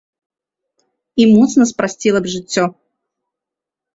І моцна спрасціла б жыццё.